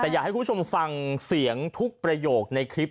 แต่อยากให้คุณผู้ชมฟังเสียงทุกประโยคในคลิป